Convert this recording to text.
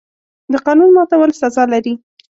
د قانون ماتول سزا لري.